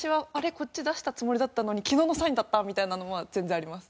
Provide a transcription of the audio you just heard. こっち出したつもりだったのに昨日のサインだった！みたいなのは全然あります。